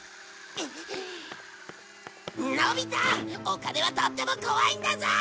お金はとっても怖いんだぞ！